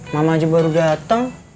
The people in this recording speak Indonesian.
mama aja baru dateng